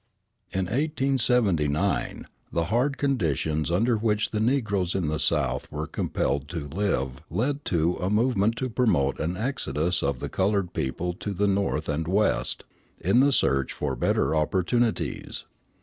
In 1879 the hard conditions under which the negroes in the South were compelled to live led to a movement to promote an exodus of the colored people to the North and West, in the search for better opportunities.